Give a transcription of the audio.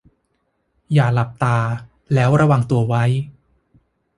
อย่าหลับตาแล้วระวังตัวไว้